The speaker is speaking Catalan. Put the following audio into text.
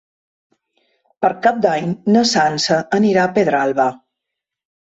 Per Cap d'Any na Sança anirà a Pedralba.